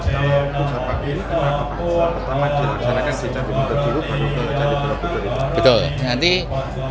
kalau bujab pagi ini kenapa pak ishak pertama dilaksanakan di candi mundur dulu baru ke candi budur itu